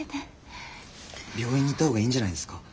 病院に行ったほうがいいんじゃないですか？